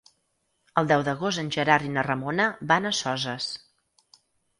El deu d'agost en Gerard i na Ramona van a Soses.